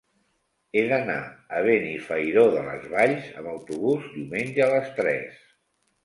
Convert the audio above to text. He d'anar a Benifairó de les Valls amb autobús diumenge a les tres.